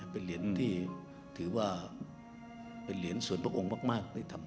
เป็นเหรียญที่ถือว่าเป็นเหรียญส่วนพระองค์มากได้ทำ